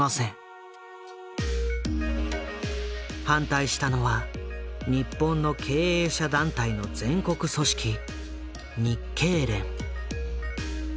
反対したのは日本の経営者団体の全国組織日経連。